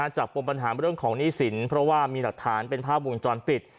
ปมปัญหาเรื่องของหนี้สินเพราะว่ามีหลักฐานเป็นภาพวงจรปิด